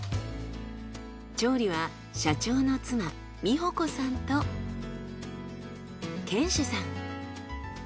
調理は社長の妻美保子さんと賢志さん。